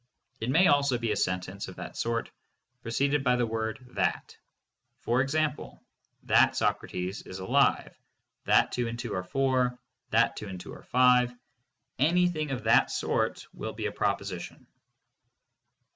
It may also be a sentence of that sort preceded by the word "that." For example, "That Socrates is alive," "That two and two are four," "That two and two are five," any thing of that sort will be a proposition.